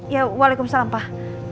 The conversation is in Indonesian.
ya waalaikumsalam pak